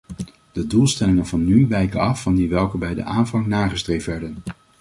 De doelstellingen van nu wijken af van die welke bij aanvang nagestreefd werden.